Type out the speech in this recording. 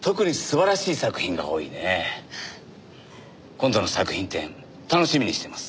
今度の作品展楽しみにしてます。